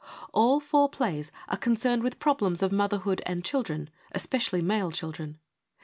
All four plays are concerned with problems of motherhood and children, especially male children.